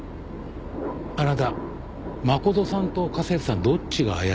あなた真琴さんと家政婦さんどっちが怪しいと思いますか？